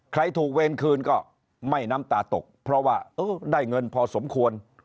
ใครถูกเวรคืนก็ไม่น้ำตาตกเพราะว่าได้เงินพอสมควร